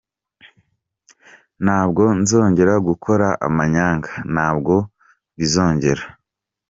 Ntabwo nzongera gukora amanyanga, ntabwo bizongera…”.